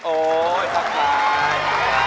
โอ้ยสะกาย